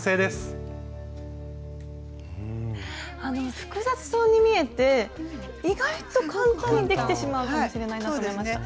複雑そうに見えて意外と簡単にできてしまうかもしれないなと思いました。